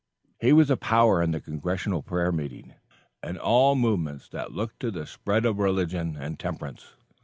He was a power in the Congressional prayer meeting, and in all movements that looked to the spread of religion and temperance.